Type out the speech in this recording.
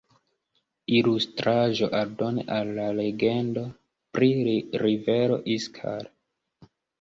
Ilustraĵo aldone al la legendo pri rivero Iskar.